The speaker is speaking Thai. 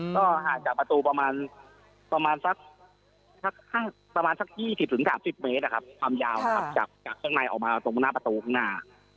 ก็อาจจะประตูประมาณสัก๒๐๓๐เมตรนะครับความยาวครับจากข้างในออกมาตรงหน้าประตูข้างหน้า